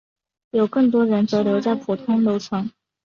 有更多人则留在普通楼层。